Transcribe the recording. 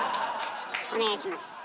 お願いします。